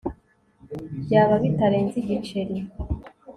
byaba bitarenze igiceri